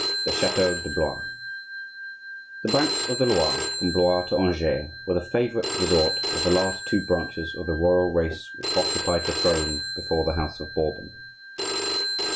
THE CHATEAU DE BLOIS The banks of the Loire, from Blois to Angers, were the favorite resort of the last two branches of the royal race which occupied the throne before the house of Bourbon.